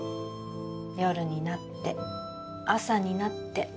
「夜になって朝になって」